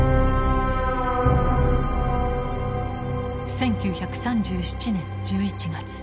１９３７年１１月。